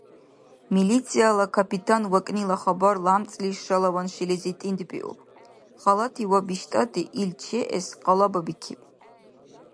Милицияла капитан вакӏнила хабар лямцӏла шалаван шилизи тӏинтӏбиуб. Халати ва биштӏати ил чеэс къалабабикиб.